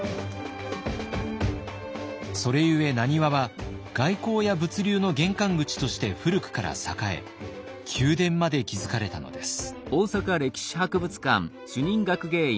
それゆえ難波は外交や物流の玄関口として古くから栄え宮殿まで築かれたのです。